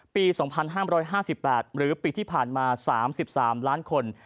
ปี๒๕๕๘หรือปีที่ผ่านมา๓๓ล้านคน